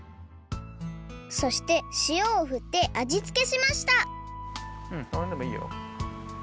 そしてしおをふってあじつけしましたうんそのへんでもいいよ。